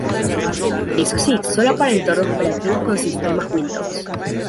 Eso sí, sólo para entornos operativos con sistemas Windows.